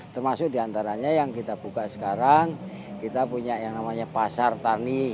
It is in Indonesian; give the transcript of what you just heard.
termasuk diantaranya yang kita buka sekarang kita punya yang namanya pasar tani